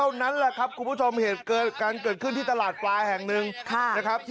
ภาพภาพจะต่อยยานนะครับดูนะครับ